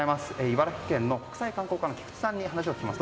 茨城県の国際観光課の菊池さんに話を聞きます。